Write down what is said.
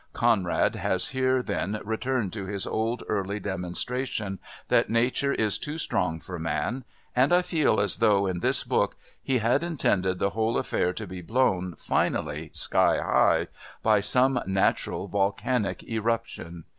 Conrad has here then returned to his old early demonstration that nature is too strong for man and I feel as though, in this book, he had intended the whole affair to be blown, finally, sky high by some natural volcanic eruption.